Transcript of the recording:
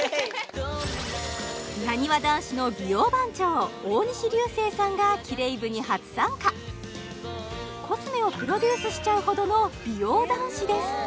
なにわ男子の美容番長大西流星さんがキレイ部に初参加コスメをプロデュースしちゃうほどの美容男子です